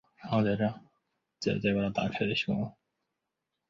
皮伊米克朗。